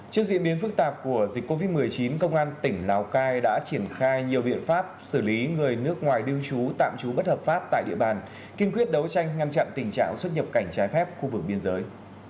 trước diễn biến phức tạp của dịch covid một mươi chín công an tỉnh lào cai đã triển khai nhiều biện pháp xử lý người nước ngoài lưu trú tạm trú bất hợp pháp tại địa bàn kiên quyết đấu tranh ngăn chặn tình trạng xuất nhập cảnh trái phép khu vực biên giới